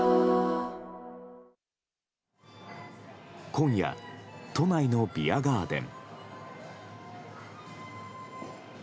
今夜、都内のビアガーデン。